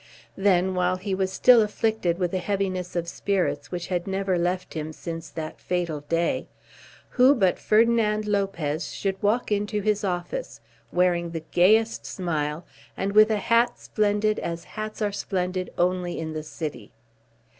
Then, while he was still afflicted with a heaviness of spirits which had never left him since that fatal day, who but Ferdinand Lopez should walk into his office, wearing the gayest smile and with a hat splendid as hats are splendid only in the city.